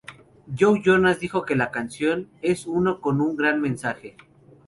Joe Jonas dijo que la canción es uno con un "gran mensaje".